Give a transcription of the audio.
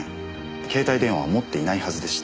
携帯電話は持っていないはずでした。